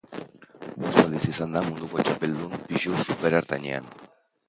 Bost aldiz izan da munduko txapeldun pisu superertainean.